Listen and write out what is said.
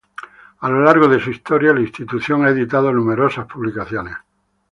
A lo largo de su historia, la institución ha editado numerosas publicaciones.